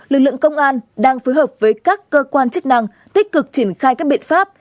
lực lượng công an đang phối hợp với các cơ quan chức năng tích cực triển khai các biện pháp